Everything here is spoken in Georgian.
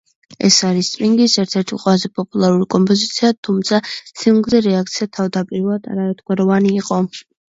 ეს არის სტინგის ერთ-ერთი ყველაზე პოპულარული კომპოზიცია, თუმცა სინგლზე რეაქცია თავდაპირველად არაერთგვაროვანი იყო.